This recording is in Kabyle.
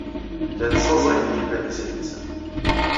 Llan ssaẓayen tibalizin-nsen.